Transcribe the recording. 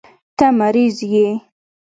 ته مريض يې.